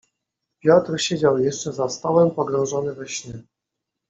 "Piotr siedział jeszcze za stołem, pogrążony we śnie."